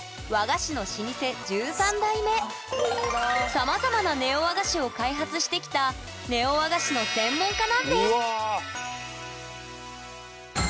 さまざまなネオ和菓子を開発してきたネオ和菓子の専門家なんですうわあ！